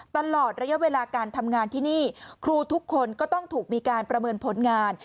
ตลอดระยะเวลาการทำงานที่นี่ครูทุกคนก็ต้องถูกมีการประเมินผลงาน